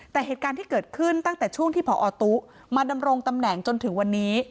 แต่เหตุการณ์ที่เกิดขึ้นตั้งแต่ช่วงที่พอตุ๊มาดำรงตำแหน่งจนถึงวันนี้